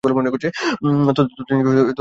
ততদিন কি সিম্বা দেখতে পারবে না?